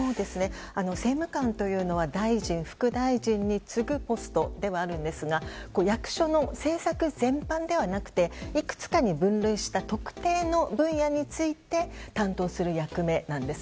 政務官というのは大臣、副大臣に次ぐポストではあるんですが役所の政策全般ではなくていくつかに分類した特定の分野について担当する役目なんです。